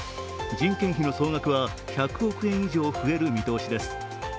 人件費の総額は１００億円以上増える見通しです。